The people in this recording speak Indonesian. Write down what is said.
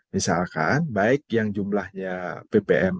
misalkan baik yang jumlahnya ppm